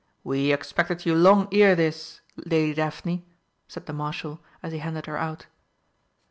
"We expected you long ere this, Lady Daphne," said the Marshal as he handed her out.